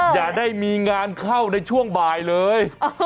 อย่าได้มีงานเข้าในช่วงบ่ายเลย